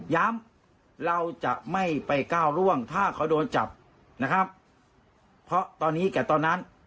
เราจะไม่ไปก้าวร่วงถ้าเขาโดนจับนะครับเพราะตอนนี้แก่ตอนนั้น